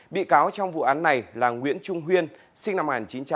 bị cáo trong vụ án này là nguyễn trung huyên sinh năm một nghìn chín trăm chín mươi hai